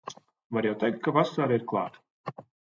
Var jau teikt, ka vasara ir klāt.